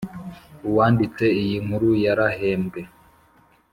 Uwanditse iyi nkuru yarahembwe